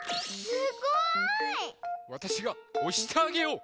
すごい！わたしがおしてあげよう！